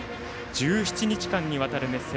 １７日間にわたる熱戦。